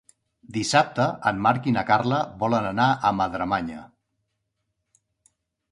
Dissabte en Marc i na Carla volen anar a Madremanya.